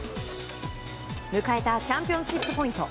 迎えたチャンピオンシップポイント。